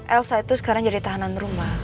elsa itu sekarang jadi tahanan rumah